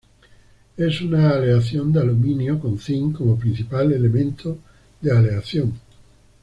Es una aleación de aluminio con zinc como principal elemento de aleación.